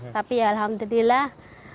tapi ya alhamdulillah